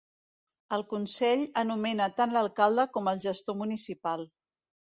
El consell anomena tant l'alcalde com el gestor municipal.